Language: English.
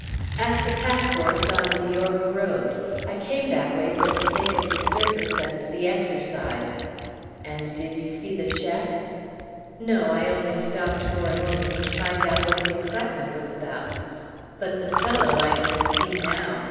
"At the Packhorse on the York Road. I came that way round for the sake of the surface and the exercise." "And did you see the check?" "No, I only stopped for a moment, to find out what the excitement was about; but the fellow I can see now.